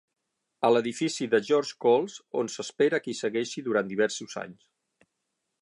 A l'edifici de George Coles, on s'espera que hi segueixi durant diversos anys.